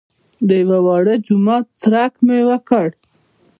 د یوه واړه جومات څرک مې وکړ.